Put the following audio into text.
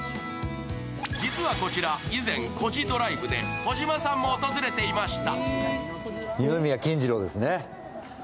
実はこちら、以前、「コジドライブ」で児嶋さんも訪れていました。